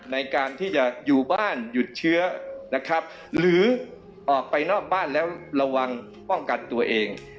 ในการที่จะอยู่บ้านหรือออกไปนอกบ้านแล้วระวังป้องกัดตัวเอง